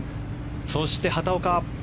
そして、畑岡。